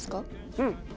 うん。